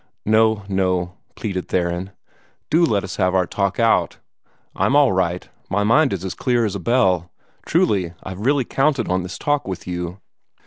"No, no," pleaded Theron. "Do let us have our talk out! I'm all right. My mind is clear as a bell. Truly, I've really counted on this talk with you."